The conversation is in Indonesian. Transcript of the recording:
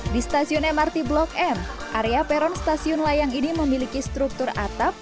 di stasiun mrt blok m area peron stasiun layang ini memiliki struktur atap